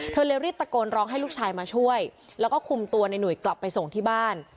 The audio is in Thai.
เลยรีบตะโกนร้องให้ลูกชายมาช่วยแล้วก็คุมตัวในหนุ่ยกลับไปส่งที่บ้าน